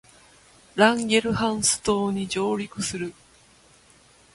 ランゲルハンス島に上陸する